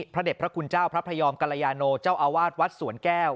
เด็จพระคุณเจ้าพระพยอมกรยาโนเจ้าอาวาสวัดสวนแก้ว